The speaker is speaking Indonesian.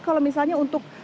kalau misalnya untuk